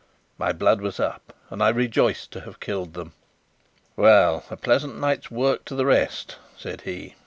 My blood was up, and I rejoiced to have killed them. "Well, a pleasant night's work to the rest!" said he.